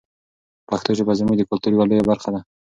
پښتو ژبه زموږ د کلتور یوه لویه برخه ده.